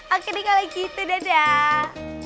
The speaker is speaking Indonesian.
oke deh kalo gitu dadah